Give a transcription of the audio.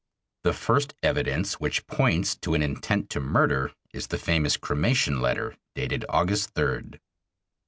The first evidence which points to an intent to murder is the famous "cremation letter," dated August 3d.